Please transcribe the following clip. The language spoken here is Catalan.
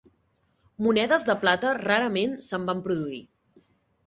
Monedes de plata rarament se'n van produir.